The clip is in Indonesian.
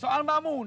soal mbak muna